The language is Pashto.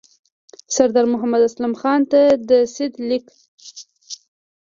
سردار محمد اسلم خان ته د سید لیک.